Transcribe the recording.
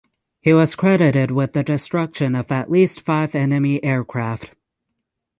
He was credited with the destruction of at least five enemy aircraft.